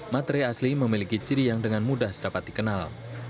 materai asli memiliki ciri yang dengan mudah dapat dikenal